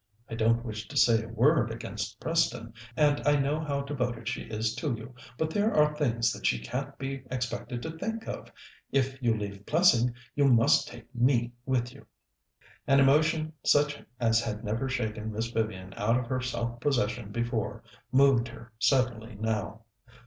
I don't wish to say a word against Preston, and I know how devoted she is to you, but there are things that she can't be expected to think of. If you leave Plessing, you must take me with you." An emotion such as had never shaken Miss Vivian out of her self possession before, moved her suddenly now.